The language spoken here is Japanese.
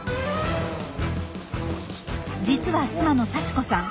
実は妻の佐知子さん